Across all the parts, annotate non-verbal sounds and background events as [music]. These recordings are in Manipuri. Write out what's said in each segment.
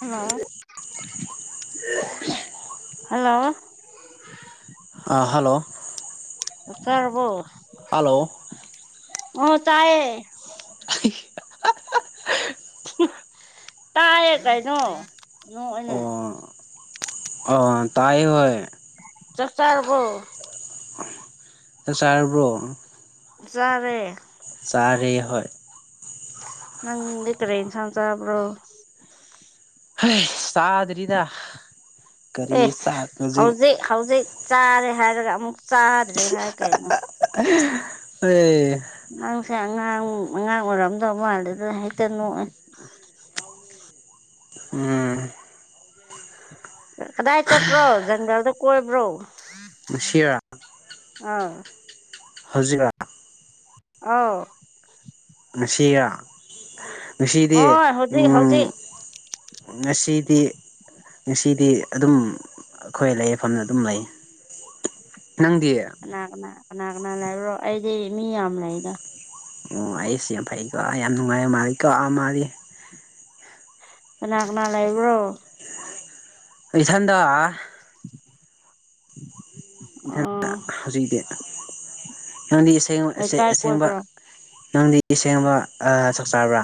ꯍꯜꯂꯣ ꯍꯜꯂꯣ ꯑꯥ ꯍꯜꯂꯣ ꯇꯥꯔꯕꯣ ꯍꯜꯂꯣ ꯑꯣ ꯇꯥꯢꯌꯦ [unintelligible] [unintelligible] ꯇꯥꯏꯌꯦ ꯀꯩꯅꯣ ꯅꯣꯛꯑꯦꯅꯦ ꯑꯣ ꯑꯣ ꯇꯥꯏꯌꯦ ꯍꯣꯏ ꯆꯥꯛ ꯆꯥꯔꯕꯣ ꯆꯥꯛ ꯆꯥꯔꯕ꯭ꯔꯣ ꯆꯥꯔꯦ ꯆꯥꯔꯦ ꯍꯣꯢ ꯅꯪꯗꯤ ꯀ꯭ꯔꯤ ꯏꯟꯁꯥꯡ ꯆꯥꯕ꯭ꯔꯣ ꯍꯧꯁ ꯆꯥꯗ꯭ꯔꯤꯗ ꯑꯦ ꯀꯔꯤ ꯆꯥꯛ ꯍꯧꯖꯤꯛ ꯍꯧꯖꯤꯛ ꯆꯥꯔꯦ ꯍꯥꯏꯔꯒ ꯑꯃꯨꯛ ꯆꯥꯗ꯭ꯔꯤ ꯍꯥꯏ ꯀꯩꯅꯣ ꯑꯦ ꯅꯪꯁꯦ ꯑꯉꯥꯡ ꯑꯉꯥꯡ ꯑꯣꯏꯔꯝꯗꯧ ꯃꯥꯜꯂꯦꯗ ꯍꯦꯛꯇ ꯅꯣꯛꯑꯦ ꯎꯝ ꯀꯗꯥꯏ ꯆꯠꯄ꯭ꯔꯣ ꯖꯪꯒꯜꯗ ꯀꯣꯏꯕ꯭ꯔꯣ ꯉꯁꯤꯔꯥ ꯑꯥ ꯍꯧꯖꯤꯛꯔ ꯑꯧ ꯉꯁꯤꯔ ꯉꯁꯤꯗꯤ ꯍꯣꯏ ꯍꯧꯖꯤꯛ ꯎꯝ ꯍꯧꯖꯤꯛ ꯉꯁꯤꯗꯤ ꯉꯁꯤꯗꯤ ꯑꯗꯨꯝ ꯑꯩꯈꯣꯏ ꯂꯩꯐꯝꯗ ꯑꯗꯨꯝ ꯂꯩ ꯅꯪꯗꯤ ꯀꯅꯥ ꯀꯅꯥ ꯀꯅꯥ ꯀꯅꯥ ꯂꯩꯕ꯭ꯔꯣ ꯑꯩꯗꯤ ꯃꯤ ꯌꯥꯝ ꯂꯩꯗ ꯑꯣ ꯑꯩꯁ ꯐꯩꯀꯣ ꯌꯥꯝ ꯐꯩꯀꯣ ꯌꯥꯝ ꯅꯨꯡꯉꯥꯏꯕ ꯃꯥꯜꯂꯤ ꯀꯣ ꯑꯥ ꯃꯥꯜꯂꯤ ꯀꯅꯥ ꯀꯅꯥ ꯂꯩꯕ꯭ꯔꯣ ꯏꯊꯟꯗ [inaudible] ꯏꯊꯟ ꯑꯣ ꯍꯧꯖꯤꯛꯇꯤ ꯅꯪꯗꯤ ꯑꯁꯦꯡ ꯂꯩꯀꯥꯏ ꯑꯁꯦꯡꯕ ꯀꯣꯏꯕ꯭ꯔꯣ ꯅꯪꯗꯤ ꯑꯁꯦꯡꯕ ꯑꯥ ꯆꯥꯛ ꯆꯥꯕ꯭ꯔꯥ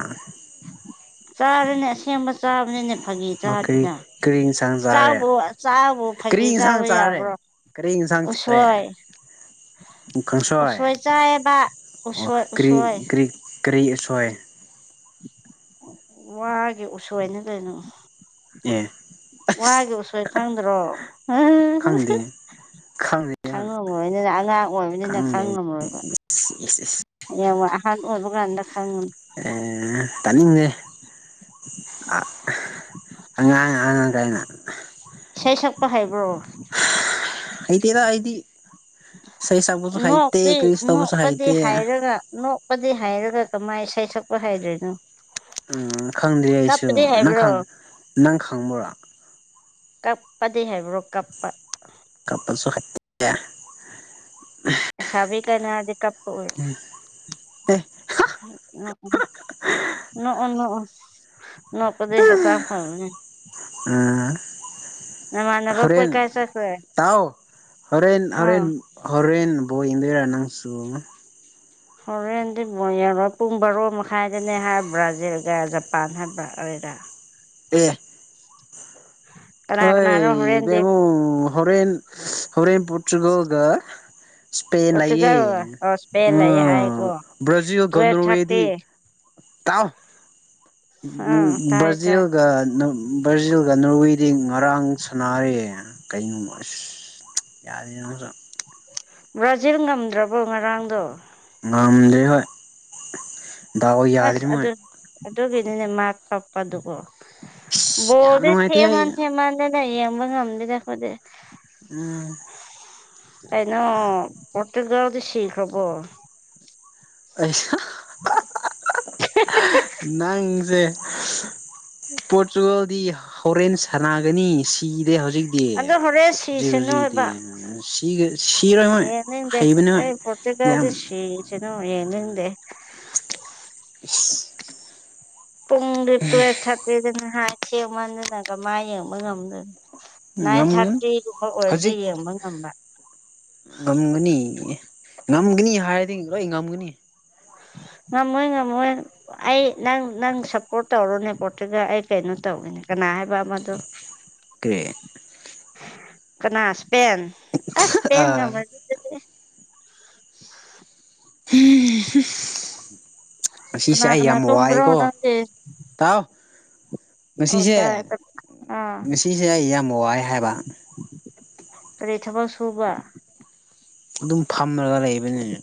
ꯆꯥꯔꯅꯦ ꯑꯁꯦꯡꯕ ꯆꯥꯕꯅꯤꯅꯦ ꯐꯥꯒꯤ ꯑꯣ ꯀꯔꯤ ꯆꯥꯗꯦꯅ ꯀꯔꯤ ꯏꯟꯁꯥꯡ ꯆꯥꯔꯦ ꯆꯥꯛꯕꯨ ꯆꯥꯕꯨ ꯐꯥꯒꯤ ꯀꯔꯤ ꯆꯥꯕ ꯏꯟꯁꯥꯡ ꯌꯥꯕ꯭ꯔꯣ ꯆꯥꯔꯦ ꯀꯔꯤ ꯏꯟꯁꯥꯡ ꯆꯥꯔꯦ ꯎꯁꯣꯏ ꯀꯥꯡꯁꯣꯏ ꯎꯁꯣꯏ ꯆꯥꯏꯌꯦꯕ ꯑꯣ ꯎꯁꯣꯏ ꯀꯔꯤ ꯎꯁꯣꯏ ꯀꯔꯤ ꯀꯔꯤ ꯎꯁꯣꯏ ꯋꯥꯒꯤ ꯎꯁꯣꯏꯅ ꯀꯩꯅꯣ ꯑꯦ ꯋꯥꯒꯤ ꯑꯁ ꯎꯁꯣꯏ ꯈꯪꯗ꯭ꯔꯣ ꯈꯪꯗꯦ ꯈꯪꯗꯦ ꯈꯪꯉꯝꯂꯣꯏꯗꯅ ꯑꯉꯥꯡ ꯑꯣꯏꯕꯅꯤꯅ ꯈꯪꯗꯦ ꯈꯪꯂꯝꯂꯣꯏꯕ [inaudible] ꯏꯁ ꯏꯁ ꯌꯦꯡꯉꯨ ꯑꯍꯥꯟ ꯑꯣꯏꯕ ꯀꯥꯟꯗ ꯈꯪꯅꯤ ꯑꯦ ꯇꯥꯅꯤꯡꯗꯦ ꯑꯥ ꯑꯉꯥꯡ ꯑꯉꯥꯡ ꯒꯥꯏꯅ ꯏꯁꯩ ꯁꯛꯄ ꯍꯩꯕ꯭ꯔꯣ ꯍꯩꯇꯦꯗ ꯑꯩꯗꯤ ꯏꯁꯩ ꯁꯛꯄꯁꯨ ꯍꯩꯇꯦ ꯅꯣꯛꯇꯤ ꯀꯔꯤꯁꯨ ꯇꯧꯕꯁꯨ ꯅꯣꯛꯄꯗꯤ ꯍꯩꯇꯦ ꯍꯩꯔꯒ ꯅꯣꯛ ꯄꯗꯤ ꯍꯩꯔꯒ ꯀꯃꯥꯏꯟ ꯏꯁꯩ ꯁꯛꯄ ꯍꯩꯗ꯭ꯔꯤꯅꯣ ꯎꯝ ꯈꯪꯗꯦ ꯑꯩꯁꯨ ꯅꯪ ꯍꯩꯕ꯭ꯔꯣ ꯅꯪ ꯈꯪꯕ꯭ꯔꯥ ꯀꯞꯄꯗꯤ ꯍꯩꯕ꯭ꯔꯣ ꯀꯞꯄ ꯀꯞꯄꯁꯨ ꯍꯩꯌꯥ ꯂꯩꯁꯥꯕꯤ ꯀꯥꯏꯅꯔꯗꯤ ꯀꯞꯄ ꯎꯏ ꯑꯦ [unintelligible] ꯅꯣꯛꯑꯣ ꯅꯣꯛꯑꯣ ꯅꯣꯛ ꯄꯗꯤ ꯍꯛꯆꯥꯡ ꯐꯕꯅꯦ ꯎꯝ ꯅꯃꯥꯟꯅꯕ ꯈꯣꯏ ꯍꯣꯔꯦꯟ ꯀꯥꯏ ꯆꯠꯈ꯭ꯔꯦ ꯇꯥꯎ ꯍꯣꯔꯦꯟ ꯑꯥ ꯍꯣꯔꯦꯟ ꯍꯣꯔꯦꯟ ꯕꯣꯜ ꯌꯦꯡꯗꯣꯏꯔ ꯅꯪꯁꯨ ꯍꯣꯔꯦꯟꯗꯤ ꯕꯣꯜ ꯌꯦꯡꯉꯣꯏ ꯄꯨꯡ ꯕꯥꯔꯣ ꯃꯈꯥꯏꯗꯅꯦ ꯍꯥꯏ ꯕ꯭ꯔꯥꯖꯤꯜꯒ ꯖꯄꯥꯟ ꯍꯥꯏꯕ꯭ꯔꯥ ꯑꯣꯏꯔ ꯑꯦ ꯀꯅꯥ ꯀꯅꯥꯅꯣ ꯍꯣꯏ ꯍꯣꯔꯦꯟꯗꯤ ꯕꯦꯝꯃꯨꯡ ꯍꯣꯔꯦꯟ ꯍꯣꯔꯦꯟꯦꯟ ꯄꯨꯇ꯭ꯔꯨꯒꯜꯒ ꯏꯁꯄꯦꯟ ꯂꯩꯌꯦ ꯄꯣꯔꯇꯨꯒꯜ ꯑꯣ ꯁ꯭ꯄꯦꯟ ꯂꯩꯌꯦ ꯍꯥꯏꯀꯣ ꯎꯝ ꯕ꯭ꯔꯖꯤꯜꯒ ꯇꯨꯋꯦꯜꯞ ꯊꯥꯔꯇꯤ ꯅꯣꯔꯋꯦꯗꯤ ꯇꯥꯎ ꯑꯥ ꯇꯥꯏ ꯇꯥꯏ ꯕ꯭ꯔꯥꯖꯤꯜꯒ ꯅꯣ ꯕ꯭ꯔꯥꯖꯤꯜꯒ ꯅꯣꯔꯋꯦꯗꯤ ꯉꯔꯥꯡ ꯁꯥꯟꯅꯔꯦ ꯀꯩꯅꯣꯕ ꯑꯁ ꯌꯥꯗꯦ ꯅꯪꯁꯨ ꯕ꯭ꯔꯥꯖꯤꯜ ꯉꯝꯗ꯭ꯔꯕꯣ ꯉꯔꯥꯡꯗꯣ ꯉꯝꯗ꯭ꯔꯦ ꯍꯣꯏ ꯗꯥꯎ ꯑꯁ ꯌꯥꯗ꯭ꯔꯦ ꯃꯣꯏ ꯑꯗꯨ ꯑꯗꯨꯒꯤꯅꯤꯅꯦ ꯃꯥ ꯀꯞꯄꯗꯨꯀꯣ ꯑꯁ ꯌꯥꯝ ꯕꯣꯜꯗꯤ ꯅꯨꯡꯉꯥꯏꯇꯦ ꯑꯩ ꯊꯦꯡꯃꯟ ꯊꯦꯡꯃꯟꯂꯤꯅꯦ ꯌꯦꯡꯕ ꯉꯝꯗꯦꯅꯦ ꯑꯩꯈꯣꯏꯗꯤ ꯎꯝ ꯀꯩꯅꯣ ꯄꯣꯔꯇꯨꯒꯜꯗꯤ ꯁꯤꯈ꯭ꯔꯕꯣ ꯑꯩꯁ ꯅꯪꯁꯦ ꯄꯣꯔꯇꯨꯒꯥꯜꯗꯤ ꯍꯣꯔꯦꯟ ꯁꯥꯟꯅꯒꯅꯤ ꯁꯤꯗꯤ ꯍꯧꯖꯤꯛ ꯑꯗꯣ ꯍꯣꯔꯦꯟ ꯁꯤꯁꯅꯨ ꯍꯥꯏꯕ [unintelligible] ꯁꯤꯔꯣꯏ ꯃꯣꯏ ꯍꯩꯕꯅꯦ ꯃꯣꯏ [unintelligible] ꯌꯥꯝ ꯁꯤꯁꯅꯣ ꯌꯦꯡꯅꯤꯡꯗꯦ [inaudible] ꯄꯨꯡꯗꯤ ꯇꯨꯌꯦꯜꯐ ꯊꯥꯔꯇꯤꯗꯅꯦ ꯍꯥꯏ ꯊꯦꯡ ꯃꯟꯗꯅ ꯀꯃꯥꯏ ꯌꯦꯡꯕ ꯉꯝꯗꯣꯏꯅꯣ ꯅꯥꯏꯟ ꯉꯝꯒꯅꯤ ꯊꯥꯔꯇꯤꯒꯨꯝꯕ ꯑꯣꯏꯔꯗꯤ ꯍꯧꯖꯤꯛ ꯌꯦꯡꯕ ꯉꯝꯕ ꯉꯝꯒꯅꯤ ꯉꯝꯒꯅꯤ ꯍꯥꯏꯔꯗꯤ ꯂꯣꯏ ꯉꯝꯒꯅꯤ ꯉꯝꯃꯣꯏ ꯉꯝꯃꯣꯏ ꯑꯩ ꯅꯪ ꯅꯪ ꯁꯞꯄꯣꯔꯠ ꯇꯧꯔꯨꯅꯦ ꯄꯣꯠꯇꯨꯒꯜ ꯑꯩ ꯀꯩꯅꯣ ꯇꯧꯒꯦꯅꯦ ꯀꯅꯥ ꯍꯥꯏꯕ ꯑꯃꯗꯣ ꯀꯩ ꯀꯅꯥ ꯏꯁꯄꯦꯟ ꯑꯁ ꯏꯁꯄꯦꯟ ꯑꯥ ꯉꯝꯃꯗꯤ ꯑꯗꯨꯗꯤ ꯉꯁꯤꯁꯦ ꯀꯅꯥ ꯑꯩ ꯀꯅꯥ ꯌꯥꯝ ꯇꯨꯝꯕ꯭ꯔꯣ ꯋꯥꯑꯦꯀꯣ ꯅꯪꯗꯤ ꯇꯥꯎ ꯑꯣ ꯉꯁꯤꯁꯦ ꯇꯥꯏ ꯑꯥ ꯉꯁꯤꯁꯦ ꯑꯩ ꯌꯥꯝ ꯋꯥꯏ ꯍꯥꯏꯕ ꯀꯔꯤ ꯊꯕꯛ ꯁꯨꯕ ꯑꯗꯨꯝ ꯐꯝꯂꯒ ꯂꯩꯕꯅꯤꯅꯦ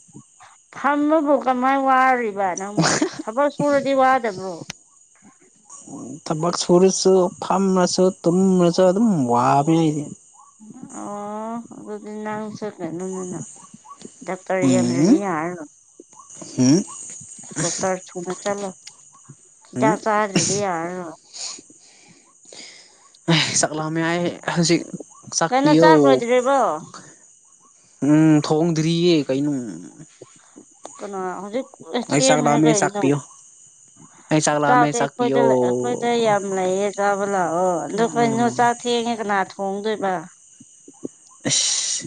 ꯐꯝꯕꯕꯨ ꯀꯃꯥꯏꯅ ꯋꯥꯔꯤꯕ ꯅꯪꯕꯨ ꯊꯕꯛ ꯁꯨꯔꯗꯤ ꯋꯥꯗꯕ꯭ꯔꯣ ꯊꯕꯛ ꯁꯨꯔꯁꯨ ꯐꯝꯃꯁꯨ ꯇꯨꯝ꯭ꯔꯁꯨ ꯑꯗꯨꯝ ꯋꯥꯕꯅꯦ ꯑꯩꯗꯤ ꯑꯣ ꯑꯗꯨꯗꯤ ꯅꯪꯁꯨ ꯀꯩꯅꯣꯅꯤꯅ ꯗꯥꯛꯇꯔ ꯌꯦꯡꯗ꯭ꯔꯗꯤ ꯎꯝ ꯌꯥꯔꯔꯣꯏ ꯍꯨꯝ ꯗꯣꯛꯇꯔ ꯊꯨꯅ ꯆꯠꯂꯣ ꯍꯨꯝ ꯍꯤꯗꯥꯛ ꯆꯥꯗ꯭ꯔꯗꯤ ꯌꯥꯔꯔꯣꯏ ꯆꯥꯛ ꯂꯥꯃꯦ ꯑꯩ ꯍꯧꯖꯤꯛ ꯆꯥꯛ ꯀꯩꯅꯣ ꯄꯤꯌꯣ ꯂꯣꯏꯗ꯭ꯔꯤꯕꯣ ꯎꯝ ꯊꯣꯡꯗ꯭ꯔꯤꯌꯦ ꯀꯩꯅꯣ ꯀꯅꯥ ꯍꯧꯖꯤꯛ ꯑꯩ ꯆꯥꯛ ꯊꯦꯡꯉꯦ ꯂꯥꯝꯃꯦ ꯆꯥꯛ ꯀꯩꯅꯣ ꯄꯤꯌꯣ ꯑꯩ ꯆꯥꯛ ꯂꯥꯝꯃꯦ ꯆꯥꯛꯇꯤ ꯆꯥꯛ ꯑꯩꯈꯣꯏꯗ ꯄꯤꯌꯣ ꯑꯩꯈꯣꯏꯗ ꯌꯥꯝ ꯂꯩꯌꯦ ꯆꯥꯕ ꯂꯥꯛꯑꯣ ꯑꯗꯨ ꯀꯩꯅꯣ ꯎꯝ ꯆꯥꯛ ꯊꯦꯡꯉꯦ ꯀꯅꯥ ꯊꯣꯡꯗꯣꯏꯕ ꯑꯁ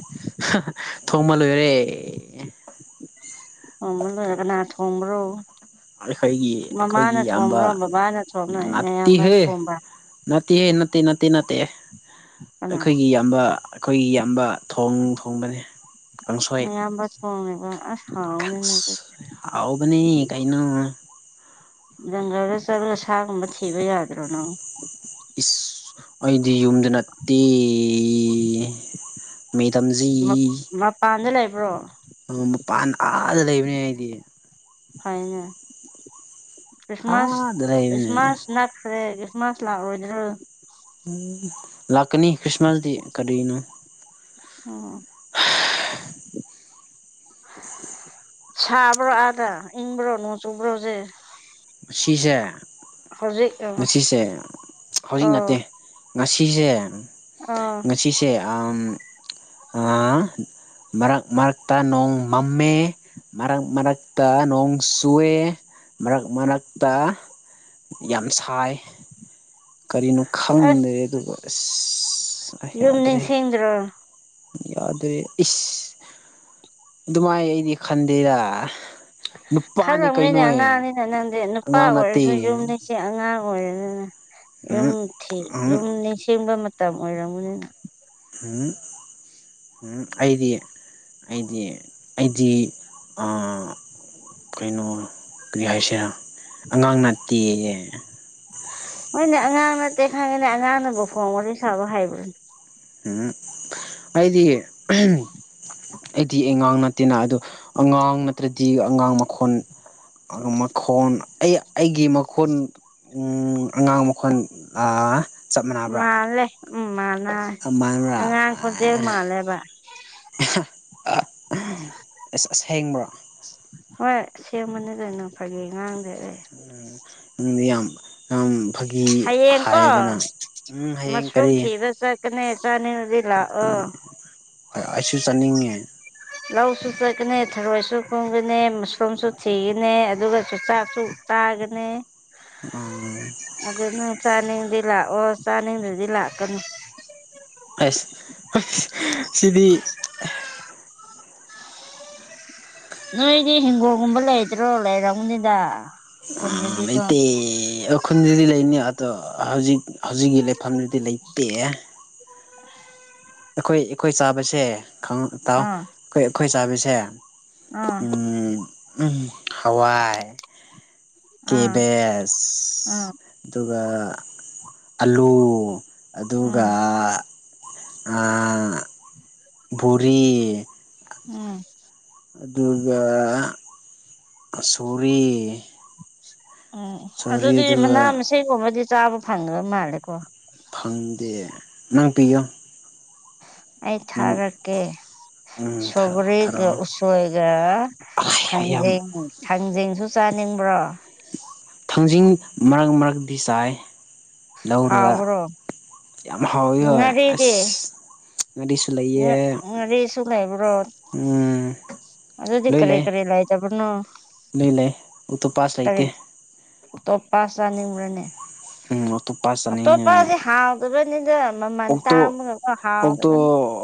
[unintelligible] ꯊꯣꯡꯃ ꯂꯣꯏꯔꯦ ꯊꫭꯡꯕ ꯂꫭꯏꯔꯦ ꯀꯅꯥ ꯊꫭꯡꯕ꯭ꯔꫭ ꯑꯩꯈꯣꯏꯒꯤ ꯑꯩꯈꯣꯏꯒꯤ ꯏꯌꯥꯝꯕ ꯕꯕꯥꯅ ꯊꯣꯡꯕ꯭ꯔꯣ ꯅꯌꯥꯝꯕꯅ ꯅꯥꯠꯇꯤꯍꯦ ꯊꯣꯡꯕ꯭ꯔꯥ ꯅꯠꯇꯤꯌꯦ ꯅꯠꯇꯦ ꯅꯠꯇꯦ ꯅꯠꯇꯦ ꯀꯅꯥ ꯑꯩꯈꯣꯏꯒꯤ ꯏꯌꯥꯝꯕ ꯑꯩꯈꯣꯏꯒꯤ ꯏꯌꯥꯝꯕ ꯊꯣꯡ ꯊꯣꯡꯕꯅꯦ ꯀꯥꯡꯁꯣꯏ [unintelligible] ꯑꯁ ꯍꯥꯎꯅꯤꯅꯦ ꯑꯗꯨ [unintelligible] ꯍꯥꯎꯕꯅꯤ ꯀꯩꯅꯣ ꯖꯪꯒꯜꯗ ꯆꯠꯂꯒ ꯁꯥꯒꯨꯝꯕ ꯊꯤꯕ ꯌꯥꯗ꯭ꯔꯣ ꯅꯪ ꯏꯁ ꯑꯩꯗꯤ ꯌꯨꯝꯗ ꯅꯠꯇꯦ ꯃꯦꯗꯥꯝꯖꯤ ꯃꯄꯥꯟꯗ ꯂꯩꯕ꯭ꯔꯣ ꯃꯄꯥꯟ ꯑꯥꯗ ꯂꯩꯕꯅꯦ ꯑꯩꯗꯤ ꯐꯩꯅꯦ ꯈ꯭ꯔꯤꯁꯃꯥꯁ ꯑꯥꯗ ꯂꯩꯕꯅꯦ ꯈ꯭ꯔꯤꯁꯃꯥꯁ ꯅꯛꯈ꯭ꯔꯦ [unintelligible] ꯃꯥꯁ ꯂꯥꯛꯔꯣꯏꯗ꯭ꯔꯣ [unintelligible] ꯂꯥꯛꯀꯅꯤ ꯈ‌꯭ꯔꯤꯁꯃꯥꯁ ꯇꯤ ꯀꯔꯤꯅꫭ ꯑꯣ ꯁꯥꯕ꯭ꯔꯣ ꯑꯥꯗ ꯏꯪꯕ꯭ꯔꯣ ꯅꯣꯡ ꯆꯨꯕ꯭ꯔꯣ ꯍꯪꯖꯤꯛ ꯁꯤꯖꯦ ꯍꯧꯖꯤꯛ ꯑꯣ ꯉꯁꯤꯁꯦ ꯍꯧꯖꯤꯛ ꯅꯠꯇꯦ ꯉꯁꯤꯖꯦ ꯑꯥ ꯉꯁꯤꯁꯦ [unintelligible] ꯃꯔꯛ ꯃꯔꯛꯇ ꯅꯣꯡ ꯃꯝꯃꯦ ꯃꯔꯛ ꯃꯔꯛꯇ ꯅꯣꯡ ꯆꯨꯋꯦ ꯃꯔꯛ ꯃꯔꯛ ꯇ ꯌꯥꯝ ꯁꯥꯏ ꯀꯔꯤꯅꯣ ꯑꯁ ꯈꯪꯗꯦ ꯑꯗꯨꯒ ꯑꯁ ꯑꯩ ꯌꯨꯝ ꯌꯥꯗ꯭ꯔꯦ [unintelligible] ꯌꯥꯗ꯭ꯔꯦ ꯏꯁ ꯑꯗꯨꯃꯥꯏ ꯑꯩꯗꯤ ꯈꯟꯗꯦꯗ ꯅꯨꯄꯥꯅꯤ ꯈꯜꯂꯝꯃꯤꯅꯦ ꯀꯩꯅꯣ ꯑꯉꯥꯡꯅꯤꯅ ꯅꯪꯗꯤ ꯅꯨꯄꯥ ꯑꯉꯥꯡ ꯅꯠꯇꯦ ꯑꯣꯏꯔꯁꯨ ꯌꯨꯝꯅꯤ ꯁꯤ ꯑꯉꯥꯡ ꯑꯣꯏꯔꯝꯅꯤꯅ ꯎꯝ ꯌꯨꯝ [unintelligible] ꯎꯝ ꯌꯨꯝ ꯅꯤꯡꯁꯤꯡꯕ ꯃꯇꯝ ꯑꯣꯏꯔꯝꯒꯅꯤꯅ ꯎꯝ [unintelligible] ꯑꯩꯗꯤ ꯑꯩꯗꯤ ꯑꯩꯗꯤ ꯑꯥ ꯀꯩꯅꯣ ꯀꯔꯤ ꯍꯥꯏꯁꯤꯔ ꯑꯉꯥꯡ ꯅꯠꯇꯤꯌꯦ ꯍꯣꯏꯅꯦ ꯑꯉꯥꯡ ꯅꯠꯇꯦ ꯈꯪꯉꯦꯅꯦ ꯑꯉꯥꯡꯅꯕꯨ ꯐꯣꯡ ꯋꯥꯔꯤ ꯁꯥꯕ ꯍꯩꯕ꯭ꯔꯅꯦ [unintelligible] ꯑꯩꯗꯤ [unintelligible] ꯑꯩꯗꯤ ꯑꯉꯥꯡ ꯅꯠꯇꯦꯅ ꯑꯗꯨ ꯑꯉꯥꯡ ꯅꯠꯇ꯭ꯔꯗꯤ ꯑꯉꯥꯡ ꯃꯈꯣꯟ ꯃꯈꯣꯟ ꯑꯩ ꯑꯩꯒꯤ ꯃꯈꯣꯟ ꯎꯝ ꯑꯉꯥꯡ ꯃꯈꫭꯟ ꯑꯥ ꯆꯞ ꯃꯥꯟꯅꯕ꯭ꯔꯥ ꯃꯥꯜꯂꯦ ꯎꯝ ꯃꯥꯅ ꯃꯥꯟꯕ꯭ꯔꯥ ꯑꯉꯥꯡ ꯈꯣꯟꯖꯦꯜ ꯃꯥꯜꯂꯦꯕ [unintelligible] ꯑꯁ ꯑꯁꯦꯡꯕ꯭ꯔꯣ ꯍꯣꯏ ꯑꯁꯦꯡꯕꯅꯦ ꯀꯩꯅꫭ ꯐꯥꯒꯤ ꯉꯥꯡꯗꯦ ꯑꯩ ꯎꯝ ꯅꯪꯗꯤ ꯌꯥꯝ ꯌꯥꯝ ꯐꯥꯒꯤ ꯍꯌꯦꯡꯀꯣ ꯍꯥꯏꯕ ꯅꯪ ꯎꯝ ꯍꯌꯦꯡ ꯃꯁꯔꯨꯝ ꯀꯔꯤ [unintelligible] ꯆꯠꯀꯅꯤ ꯆꯠꯅꯤꯡ ꯆꯠꯀꯅꯤ ꯑꯩꯁꯨ ꯆꯠꯅꯤꯡꯉꯦ ꯂꯧꯁꯨ ꯆꯠꯀꯅꯤ ꯊꯔꯣꯏꯁꯨ ꯈꯨꯟꯒꯅꯤ ꯃꯁꯔꯨꯝꯁꯨ ꯊꯤꯒꯅꯤ ꯑꯗꯨꯒ ꯁꯨ ꯆꯥꯛꯁꯨ ꯆꯥꯒꯅꯤ ꯎꯝ ꯑꯗꯣ ꯅꯪ ꯆꯥꯅꯤꯡꯗꯤ ꯂꯥꯛꯑꯣ ꯆꯥꯅꯤꯡꯗ꯭ꯔꯗꯤ ꯂꯥꯛꯀꯅꯨ꯫ ꯑꯩꯁ ꯁꯤꯗꯤ ꯅꯣꯏꯗꯤ ꯍꯤꯡꯒꯣꯜꯒꯨꯝꯕ ꯂꯩꯇ꯭ꯔꯣ ꯂꯩꯔꯝꯅꯤꯗ꯫ ꯑ ꯂꯩꯇꯦ꯫ ꯈꯨꯟꯗꯗꯤ ꯂꯩꯅꯤ ꯑꯗꯣ ꯍꯧꯖꯤꯛ ꯍꯧꯖꯤꯛꯀꯤ ꯂꯩꯐꯝꯗꯨꯗꯤ ꯂꯩꯇꯦ꯫ ꯑꯩꯈꯣꯏ ꯑꯩꯈꯣꯏ ꯆꯥꯕꯁꯦ ꯈꯪ ꯇꯥꯎ ꯑꯥ ꯑꯩꯈꯣꯏ ꯑꯩꯈꯣꯏ ꯆꯥꯕꯁꯦ ꯑꯥ ꯎꯝ ꯍꯋꯥꯥꯏ ꯑꯥ ꯀꯦꯕꯦꯁ ꯑꯥ ꯑꯗꯨꯒ ꯑꯂꯨ ꯑꯗꯨꯒ ꯎꯝ ꯑ ꯕꯨꯔꯤ꯫ ꯎꯝ꯫ ꯑꯗꯨꯒ ꯀꯆꯧꯔꯤ꯫ ꯎꯝ ꯑꯗꯨꯗꯤ ꯃꯅꯥ ꯑꯗꯨꯒ ꯃꯁꯤꯡꯒꯨꯝꯕꯗꯤ ꯆꯥꯕ ꯐꯪꯗꯕ ꯃꯥꯜꯂꯦꯀꯣ꯫ ꯐꯪꯗꯦ ꯅꯪ ꯄꯤꯌꯣ꯫ ꯑꯩ ꯅꯪ ꯊꯥꯔꯛꯀꯦ꯫ ꯎꯝ ꯊꯥꯔꯛꯑꯣ ꯁꯧꯒꯔꯤꯒ ꯊꯥꯔꯛꯑꯣ ꯎꯁꯣꯏꯒ ꯑꯩ ꯌꯥꯝ ꯊꯥꯡꯖꯦꯡ ꯊꯥꯡꯖꯤꯡꯁꯨ ꯆꯥꯅꯤꯡꯕ꯭ꯔꯣ꯫ ꯊꯥꯡꯖꯤꯡ ꯃꯔꯛ ꯃꯔꯛꯗꯤ ꯆꯥꯏ꯫ ꯂꯧꯔꯒ ꯍꯥꯎꯕ꯭ꯔꯣ꯫ ꯌꯥꯝ ꯍꯥꯎꯋꯤ ꯍꯣꯏ ꯉꯥꯔꯤꯗꯤ ꯑꯁ ꯅꯣꯏꯗꯤ ꯂꯩꯌꯦ ꯉꯥꯔꯤꯁꯨ ꯂꯩꯕ꯭ꯔꯣ ꯎꯝ꯫ ꯑꯗꯨꯗꯤ ꯂꯣꯏ ꯀꯔꯤ ꯂꯩ ꯀꯔꯤ ꯂꯩꯇꯕꯅꯣ꯫ ꯂꯣꯏ ꯂꯩ ꯑꯣꯛꯇꯣꯄꯥꯁ ꯂꯩꯇꯦ꯫ ꯑꯣꯛꯇꯣꯄꯥꯁ ꯆꯥꯅꯤꯡꯕ꯭ꯔꯥꯅꯦ꯫ ꯎꯝ ꯑꯣꯛꯇꯣꯄꯥꯁ ꯆꯥꯅꯤꯡꯉꯦ ꯑꯣꯛꯇꯣꯄꯥꯁꯖꯦ ꯍꯥꯎꯇꯕꯅꯤꯗ ꯃꯃꯟ ꯑꯣꯛꯇꯣ ꯇꯥꯡꯕꯒ ꯑꯣꯛꯇꯣ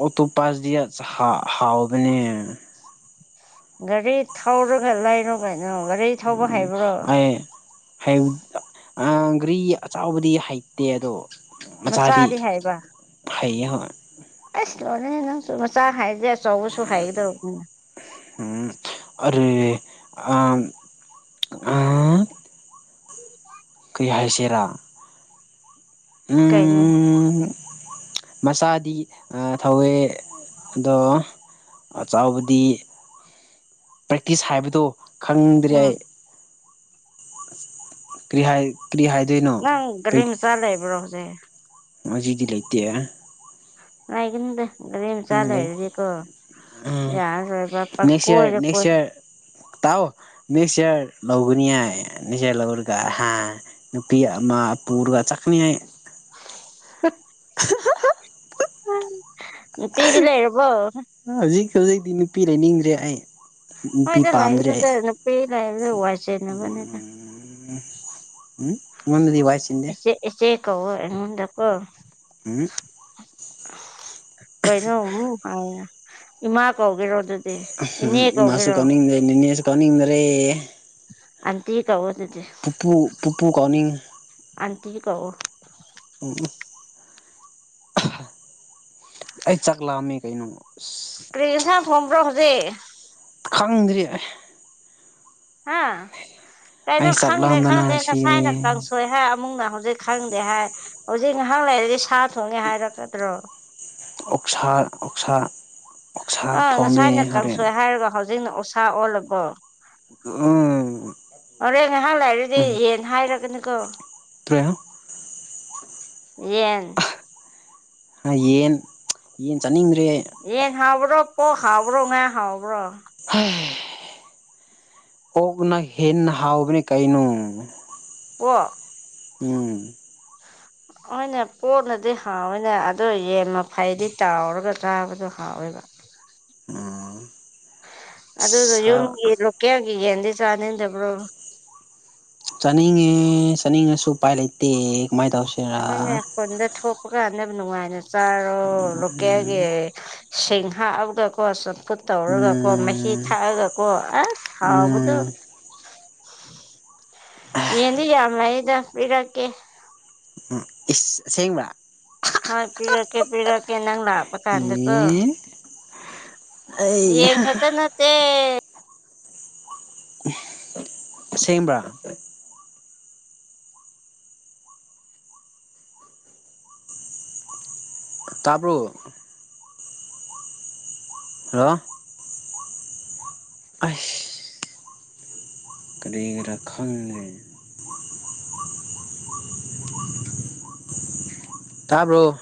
ꯑꯣꯛꯇꯣꯄꯥꯁꯗꯤ ꯍꯥ ꯍꯥꯎꯕꯅꯦ꯫ ꯒꯥꯔꯤ ꯊꯧꯔꯒ ꯂꯩꯔꯣ ꯀꯩꯅꯣ ꯒꯥꯔꯤ ꯊꯧꯕ ꯍꯩꯕ꯭ꯔꯣ꯫ ꯍꯩꯝ ꯇ ꯑ ꯒꯔꯤ ꯑꯆꯥꯎꯕꯗꯤ ꯍꯩꯇꯦ ꯑꯗꯣ ꯃꯆꯥꯗꯤ ꯍꯩꯌꯦ ꯍꯣꯏ꯫ ꯑꯩꯁ ꯂꯣꯏꯔꯦꯍꯦ ꯅꯪꯁꯨ ꯃꯆꯥ ꯍꯥꯏꯔꯗꯤ ꯑꯆꯧꯕꯁꯨ ꯍꯩꯒꯗꯧꯕꯅꯤ꯫ ꯎꯝ ꯑꯗꯨꯗꯤ ꯑꯝ ꯀꯩ ꯍꯥꯏꯁꯤꯔꯥ ꯀꯩꯅꯣ ꯎꯝ꯫ ꯃꯆꯥꯗꯤ ꯑ ꯊꯧꯋꯦ ꯑꯗꯣ ꯑꯆꯥꯎꯕꯗꯤ ꯄ꯭ꯔꯦꯛꯇꯤꯁ ꯍꯥꯏꯕꯗꯣ ꯈꯪꯗ꯭ꯔꯤ ꯑꯩ ꯎꯝ ꯀꯔꯤ ꯍꯥꯏ ꯀꯔꯤ ꯍꯥꯏꯗꯣꯏꯅꯣ ꯅꯪ ꯒꯥꯔꯤ ꯃꯆꯥ ꯂꯩꯕ꯭ꯔꯣ ꯍꯧꯖꯤꯛ꯫ ꯍꯧꯖꯤꯛꯇꯤ ꯂꯩꯇꯦ꯫ ꯑꯌꯨꯝꯗ ꯒꯥꯔꯤ ꯃꯆꯥ ꯂꯩ ꯂꯩꯔꯗꯤ ꯀꯣ ꯎꯝ ꯌꯥꯔꯔꯣꯏꯕ ꯄꯪꯀꯣꯏꯗ ꯀꯣꯏ ꯇꯥꯎ ꯅꯦꯛꯁ ꯏꯌꯥꯔ ꯂꯧꯒꯅꯤ ꯍꯥꯏ ꯅꯦꯛꯁ ꯌꯥꯔ ꯂꯧꯔꯒ ꯍꯥ ꯅꯨꯄꯤ ꯑꯃ ꯄꯨꯔꯒ ꯆꯥꯠꯀꯅꯤ ꯑꯩ꯫ [unintelligible] ꯅꯨꯄꯤꯗꯤ ꯂꯩꯔꯕꯣ꯫ ꯍꯧꯖꯤꯛ ꯍꯧꯖꯤꯛꯇꯤ ꯅꯨꯄꯤ ꯂꯩꯅꯤꯡꯗ꯭ꯔꯤ ꯑꯩ꯫ ꯅꯨꯄꯤ ꯍꯣꯏꯗ ꯄꯥꯝꯗ꯭ꯔꯦ ꯂꯩꯔꯨꯅꯨꯗ ꯑꯩ ꯅꯨꯄꯤ ꯂꯥꯏꯕꯗꯨ ꯋꯥꯏ ꯆꯤꯟꯅꯕꯅꯤꯗ꯫ ꯎꯝ ꯑꯩꯉꯣꯟꯗꯗꯤ ꯋꯥꯏ ꯆꯤꯟꯗꯦ꯫ ꯏꯆꯦ ꯏꯆꯦ ꯀꯧꯋꯣ ꯑꯩꯉꯣꯟꯗꯀꯣ꯫ ꯍꯨꯝ ꯀꯩꯅꯣ ꯋꯨ ꯀꯥꯏꯅ ꯏꯃꯥ ꯀꯧꯒꯦꯔꯣ ꯑꯗꯨ ꯑꯍꯝ ꯏꯃꯥꯁꯨ ꯀꯧꯅꯤꯡꯗꯦ ꯅꯦꯅꯦꯁꯨ ꯀꯧꯅꯤꯡꯗꯔꯦ꯫ ꯑꯥꯟꯇꯤ ꯀꯧꯋꯣꯗꯨꯗꯤ ꯄꯨꯄꯨ ꯄꯨꯄꯨ ꯀꯥꯎꯅꯤꯡ ꯑꯥꯟꯇꯤ ꯀꯧꯋꯣ꯫ ꯎꯍꯝ ꯑꯩ ꯆꯥꯛ ꯂꯥꯝꯃꯦ ꯀꯩꯅꯣ ꯑꯁ ꯀꯔꯤ ꯏꯟꯁꯥꯡ ꯊꫭꯡꯕ꯭ꯔꯣ ꯍꯧꯖꯤꯛ ꯈꯪꯗ꯭ꯔꯤ ꯑꯩ ꯍꯥ ꯀꯩꯅꯣ ꯑꯩ ꯆꯥꯛ ꯈꯪꯗꯦ ꯂꯥꯝꯕꯅ ꯈꯪꯗꯦ ꯁꯤꯔꯦ ꯉꯁꯥꯏꯅ ꯀꯥꯡꯁꯣꯏ ꯍꯥꯏ ꯑꯃꯨꯛꯅ ꯍꯧꯖꯤꯛ ꯈꯪꯗꯦ ꯍꯥꯏ ꯍꯧꯖꯤꯛ ꯉꯥꯏꯍꯥꯛ ꯂꯩꯔꯗꯤ ꯁꯥ ꯊꯣꯡꯉꯦ ꯍꯥꯏꯔꯛꯀꯗ꯭ꯔꯣ꯫ ꯑꯣꯛꯁꯥ ꯑꯣꯛꯁꯥ ꯑꯣꯛꯁꯥ ꯑꯥ ꯊꯣꯡꯗꯣꯏꯅꯦ ꯉꯁꯥꯏꯅ ꯍꯣꯔꯦꯟ ꯀꯥꯡꯁꯣꯏ ꯍꯥꯏꯔꯒ ꯍꯧꯖꯤꯛꯅ ꯑꯣꯁꯥ ꯑꯣꯜꯂꯕꯣ ꯎꯝ ꯑꯣꯔꯦ ꯉꯍꯥꯛ ꯂꯩꯔꯗꯤ ꯎꯝ ꯌꯦꯟ ꯍꯥꯏꯔꯒꯅꯤꯀꯣ [unintelligible] ꯌꯦꯟ ꯌꯦꯟ ꯌꯦꯟ ꯆꯥꯅꯤꯡꯗ꯭ꯔꯦ ꯌꯦꯟ ꯍꯥꯎꯕ꯭ꯔꯣ ꯄꯣꯛ ꯍꯥꯎꯕ꯭ꯔꯣ ꯉꯥ ꯍꯥꯎꯕ꯭ꯔꯣ ꯍꯩ ꯑꯣꯛꯅ ꯍꯦꯟꯅ ꯍꯥꯎꯕꯅꯦ ꯀꯩꯅꯣ ꯄꯣꯛ ꯎꯝ ꯍꯣꯏꯅꯦ ꯄꯣꯛꯅꯗꯤ ꯍꯥꯎꯑꯦꯅꯦ ꯑꯗꯣ ꯌꯦꯟ ꯃꯐꯩꯗꯤ ꯇꯥꯎꯔꯒ ꯆꯥꯕꯗꯣ ꯍꯥꯎꯋꯦꯕ ꯎꯝ ꯑꯗꯨꯗꯣ ꯁꯥ ꯌꯨꯝꯒꯤ ꯂꯣꯀꯦꯜꯒꯤ ꯌꯦꯟꯗꯤ ꯆꯥꯅꯤꯡꯗꯕ꯭ꯔꯣ ꯆꯥꯅꯤꯡꯉꯦ ꯆꯥꯅꯤꯡꯉꯁꯨ ꯎꯄꯥꯏ ꯂꯩꯇꯦ ꯀꯃꯥꯏ ꯇꯧꯁꯦꯔꯥ ꯅꯣꯏꯅ ꯈꯨꯟꯗ ꯊꯣꯛꯄ ꯀꯥꯟꯗ ꯅꯨꯡꯉꯥꯏꯅ ꯆꯥꯔꯣ ꯂꯣꯀꯦꯜꯒꯤ ꯁꯤꯡ ꯍꯥꯞ ꯑꯒ ꯀꯣꯁꯨ ꯐꯨꯠ ꯇꯧꯔꯒꯀꯣ ꯃꯍꯤ ꯎꯝ ꯊꯥꯛꯑꯒꯀꯣ ꯑꯁ ꯍꯥꯎꯕꯗꯣ ꯎꯝ ꯑ ꯌꯦꯟꯗꯤ ꯌꯥꯝ ꯂꯩꯗ ꯄꯤꯔꯛꯀꯦ ꯎꯝ ꯏꯁ ꯑꯁꯦꯡꯕ꯭ꯔꯥ ꯍꯣꯏ ꯄꯤꯔꯛꯀꯦ ꯄꯤꯔꯛꯀꯦ ꯅꯪ ꯂꯥꯛ ꯄꯀꯥꯟꯗꯀꯣ ꯑꯦ ꯑꯩ ꯌꯦꯟ ꯍꯥ ꯈꯛꯇ ꯅꯠꯇꯦ ꯑꯁꯦꯡꯕ꯭ꯔꯥ ꯇꯥꯕ꯭ꯔꯣ ꯍꯂꯣ ꯑꯩꯁ ꯀꯔꯤꯒꯤꯔ ꯈꯪꯗ꯭ꯔꯦꯅꯦ ꯇꯥꯕ꯭ꯔꯣ